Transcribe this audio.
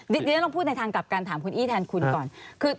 เดี๋ยวฉันลองพูดในทางกลับกันถามคุณอี้แทนคุณก่อน